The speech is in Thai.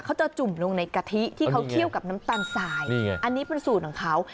จุ่มลงในกะทิที่เขาเคี่ยวกับน้ำตาลสายนี่ไงอันนี้เป็นสูตรของเขา